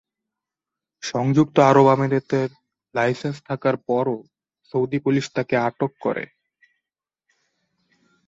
সংযুক্ত আরব আমিরাতের লাইসেন্স থাকার পরও সৌদি পুলিশ তাকে আটক করে।